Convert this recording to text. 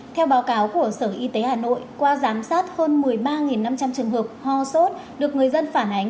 theo báo cáo của sở y tế hà nội qua giám sát hơn một mươi ba năm trăm linh trường hợp ho sốt được người dân phản ánh